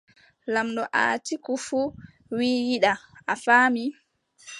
Lamɗo Atiiku fuu wii yiɗaa. a faami.